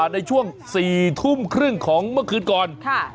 ในช่วง๔ทุ่มครึ่งของเมื่อคืนก่อน